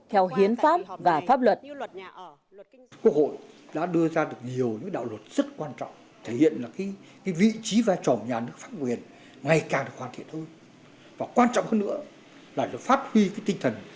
kiến pháp và pháp luật